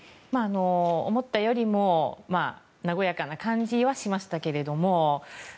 思ったよりも和やかな感じはしましたけども。